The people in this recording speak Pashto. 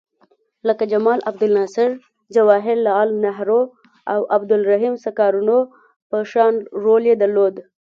لکه جمال عبدالناصر، جواهر لعل نهرو او عبدالرحیم سکارنو په شان رول یې درلود.